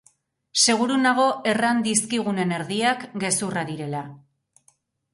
Seguru nago erran dizkigunen erdiak gezurra direla.